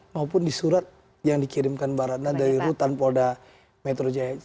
maupun di surat yang dikirimkan mbak ratna dari rutan polda metro jaya